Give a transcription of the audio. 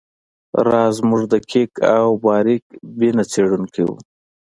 راز زموږ دقیق او باریک بینه څیړونکی وو